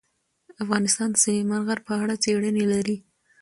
افغانستان د سلیمان غر په اړه څېړنې لري.